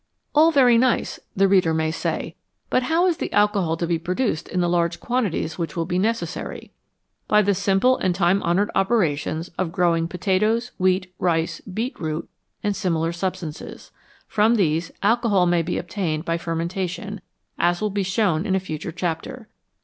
" All very nice," the reader may say, " but how Is the alcohol to be produced in the large quantities which will be necessary ?" By the simple and time honoured opera tions of growing potatoes, wheat, rice, beetroot, and similar substances. From these alcohol may be obtained by fermentation, as will be shown in a future chapter.